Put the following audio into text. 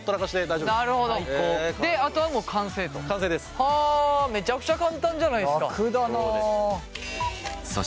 はあめちゃくちゃ簡単じゃないですか。